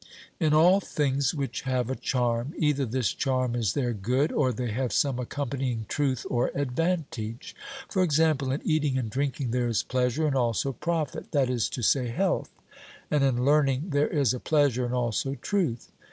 In all things which have a charm, either this charm is their good, or they have some accompanying truth or advantage. For example, in eating and drinking there is pleasure and also profit, that is to say, health; and in learning there is a pleasure and also truth.